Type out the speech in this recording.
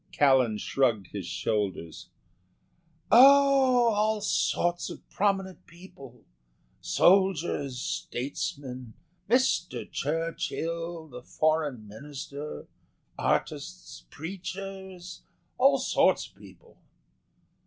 Callan shrugged his shoulders. "Oh, all sorts of prominent people soldiers, statesmen, Mr. Churchill, the Foreign Minister, artists, preachers all sorts of people."